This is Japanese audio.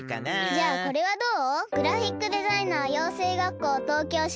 じゃあこれはどう？